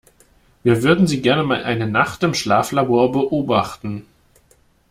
Wir würden Sie gerne mal eine Nacht im Schlaflabor beobachten.